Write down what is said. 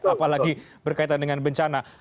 apalagi berkaitan dengan bencana